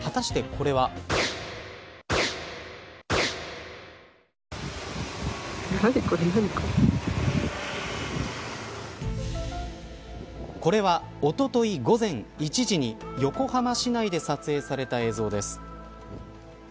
これは、おととい午前１時に横浜市内で撮影された映像です。